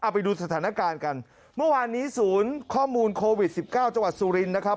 ไปดูสถานการณ์กันเมื่อวานนี้ศูนย์ข้อมูลโควิด๑๙จังหวัดสุรินทร์นะครับ